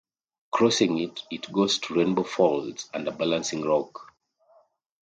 Crossing it, it goes to Rainbow Falls and a balancing rock.